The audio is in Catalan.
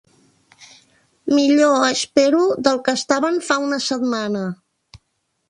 Millor, espero, del que estaven fa una setmana.